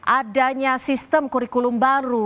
adanya sistem kurikulum baru